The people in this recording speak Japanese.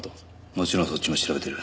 もちろんそっちも調べてる。